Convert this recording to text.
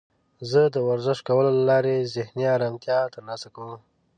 زه د ورزش کولو له لارې ذهني آرامتیا ترلاسه کوم.